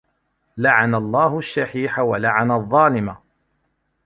لَعَنَ اللَّهُ الشَّحِيحَ وَلَعَنَ الظَّالِمَ